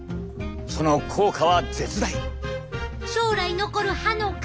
その効果は絶大！